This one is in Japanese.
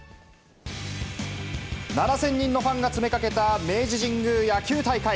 ７０００人のファンが詰めかけた明治神宮野球大会。